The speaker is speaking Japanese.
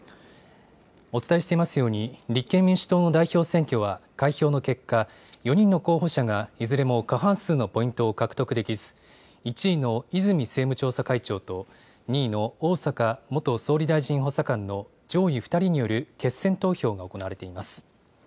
お伝えしていますように、立憲民主党の代表選挙は、開票の結果、４人の候補者がいずれも過半数のポイントを獲得できず、１位の泉政務調査会長と２位の逢坂元総理大臣補佐官の上位２人による決選投票が行われています。